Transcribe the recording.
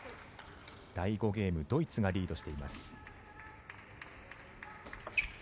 第５ゲームはドイツがリードしています。